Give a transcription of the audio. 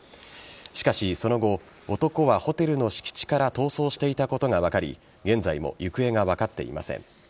しかし、その後男はホテルの敷地から逃走していたことが分かり現在も行方が分かっていません。